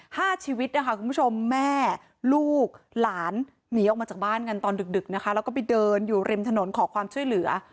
ห้าชีวิตนะคะคุณผู้ชมแม่ลูกหลานหนีออกมาจากบ้านกันตอนดึกดึกนะคะแล้วก็ไปเดินอยู่ริมถนนขอความช่วยเหลือ